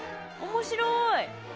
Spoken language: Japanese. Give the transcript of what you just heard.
面白い！